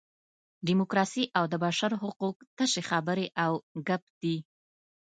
ډیموکراسي او د بشر حقوق تشې خبرې او ګپ دي.